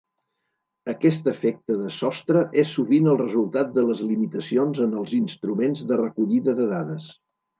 Aquest efecte de sostre és sovint el resultat de les limitacions en els instruments de recollida de dades.